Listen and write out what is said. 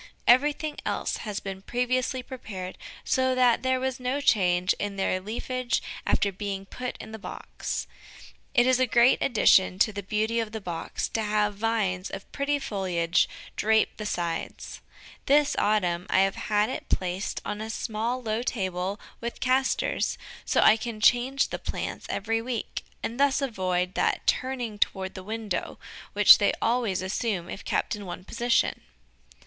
Everything else had been previously prepared so that there was no change in their leafage after being put in the box. It is a great addition to the beauty of the box to have vines of pretty foliage drape the sides. This autumn I have had it placed on a small, low table with castors, so I can change the plants every week, and thus avoid that turning toward the window which they always assume if kept in one position.